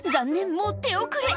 もう手遅れ